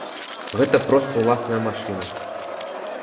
Гэта проста ўласная машына.